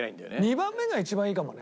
２番目が一番いいかもね。